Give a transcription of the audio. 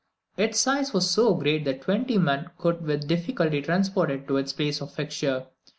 Its size was so great that twenty men could with difficulty transport it to its place of fixture.